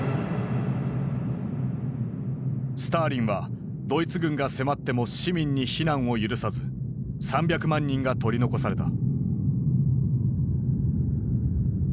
スターリンはドイツ軍が迫っても市民に避難を許さず３００万人が取り残された。